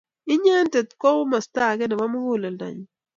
inyete ko komosto age nebo muguleldonyu